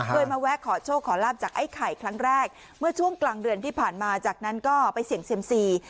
เคยมาแวะขอโชคขอลาบจากไอ้ไข่ครั้งแรกเมื่อช่วงกลางเดือนที่ผ่านมาจากนั้นก็ไปเสี่ยงเซียมซี